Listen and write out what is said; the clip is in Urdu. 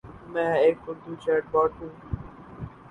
میں ایک اردو چیٹ بوٹ ہوں۔